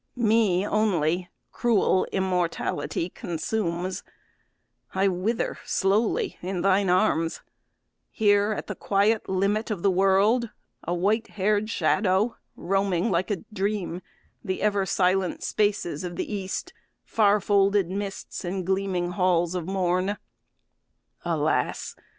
Me only cruel immortality Consumes: I wither slowly in thine arms, Here at the quiet limit of the world, A white hair'd shadow roaming like a dream The ever silent spaces of the East, Far folded mists, and gleaming halls of morn. Alas!